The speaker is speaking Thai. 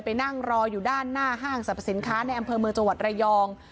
ไปนั่งรออยู่ด้านหน้าห้างสรรพสินค้าในอำเภอเมืองจังหวัดระยอง